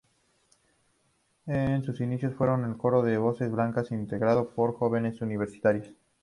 En sus inicios fue un coro de voces blancas integrado por jóvenes universitarias.